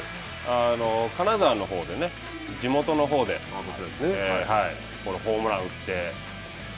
金沢の地元のほうでホームランを打って。